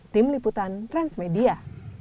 tim liputan transmedia